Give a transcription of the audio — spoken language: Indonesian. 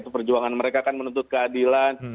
itu perjuangan mereka kan menuntut keadilan